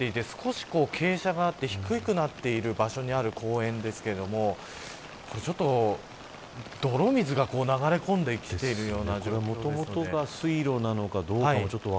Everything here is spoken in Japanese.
坂になっていて少し傾斜があって低くなっている場所にある公園ですけれども泥水が流れ込んできているような状況ですね。